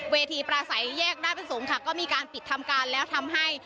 ประสัยแยกราชประสงค์ค่ะก็มีการปิดทำการแล้วทำให้